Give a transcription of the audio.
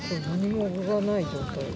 何も具がない状態。